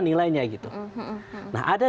nilainya gitu nah ada